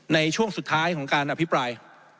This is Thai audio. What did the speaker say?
ในช่วงสุดท้ายของการอภิปราย